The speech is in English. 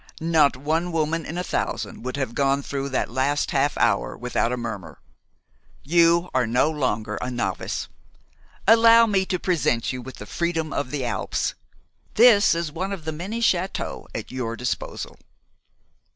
"Not one woman in a thousand would have gone through that last half hour without a murmur. You are no longer a novice. Allow me to present you with the freedom of the Alps. This is one of the many châteaux at your disposal."